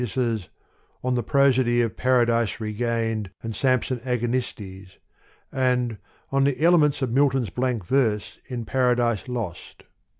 ises On the Prosody of Paradise Regained and Samson Agonistes^ and On the Elements oj Milton's Blank Verse in Paradise Lost.